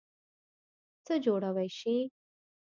څه جوړوئ شی؟